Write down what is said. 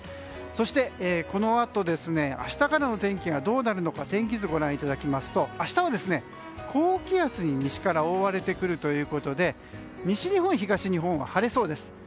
そしてこのあと明日からの天気がどうなるのか天気図をご覧いただきますと明日は高気圧に西から覆われてくるということで西日本、東日本は晴れそうです。